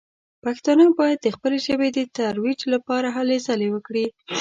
پښتانه باید د خپلې ژبې د ترویج لپاره هلې ځلې وکړي.